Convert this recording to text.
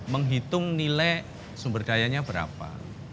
menghitung nilai sumber dayanya berapa